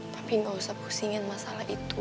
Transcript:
tapi nggak usah pusingin masalah itu